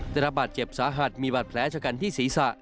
ได้รับบาดเจ็บสาหัสมีบาดแผลชะกันที่ศีรษะ